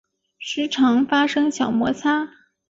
时常发生小摩擦